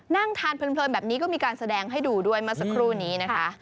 นั่งทานเพลินแบบนี้ก็มีการแสดงให้ดูด้วยเมื่อสักครู่นี้นะคะ